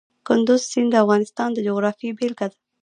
کندز سیند د افغانستان د جغرافیې بېلګه ده.